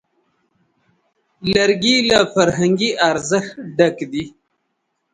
لرګی له فرهنګي ارزښت ډک دی.